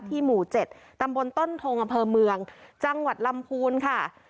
หมู่๗ตำบลต้นทงอำเภอเมืองจังหวัดลำพูนค่ะ